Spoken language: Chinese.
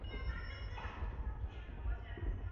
莫尔纳人口变化图示